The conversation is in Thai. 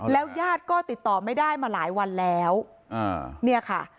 ยาดก็ติดต่อไม่ได้มาหลายวันแล้วอ่าเนี่ยค่ะ